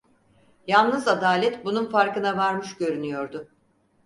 Yalnız Adalet bunun farkına varmış görünüyordu.